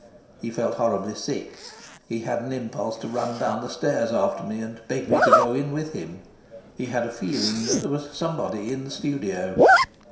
He felt horribly sick. He had an impulse to run down the stairs after me and beg me to go in with him; he had a feeling that there was somebody in the studio.